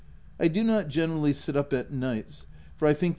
I do not generally sit up at nights, for I think the nurse vol.